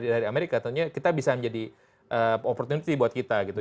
dari amerika tentunya kita bisa menjadi opportunity buat kita gitu